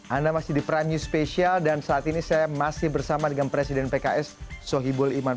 anda masih di prime news spesial dan saat ini saya masih bersama dengan presiden pks sohibul iman